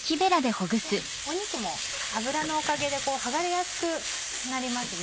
肉も油のおかげではがれやすくなりますね。